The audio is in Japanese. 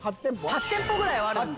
８店舗ぐらいはあるんですけど。